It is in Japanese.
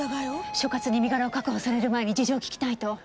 所轄に身柄を確保される前に事情を聞きたいと。